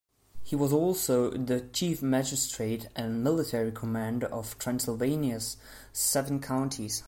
He was also the chief magistrate and military commander of Transylvania's seven counties.